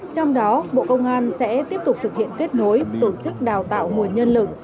trong đó bộ công an sẽ tiếp tục thực hiện kết nối tổ chức đào tạo nguồn nhân lực